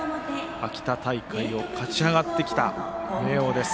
秋田大会を勝ち上がってきた明桜です。